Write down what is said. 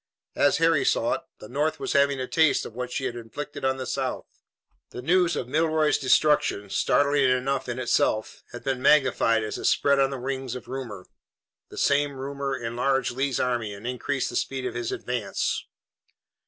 As Harry saw it, the North was having a taste of what she had inflicted on the South. The news of Milroy's destruction, startling enough in itself, had been magnified as it spread on the wings of rumor. The same rumor enlarged Lee's army and increased the speed of his advance.